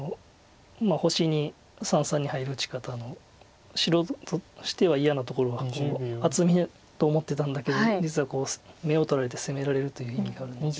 星に三々に入る打ち方白としては嫌なところは厚みと思ってたんだけど実は眼を取られて攻められるという意味があるので。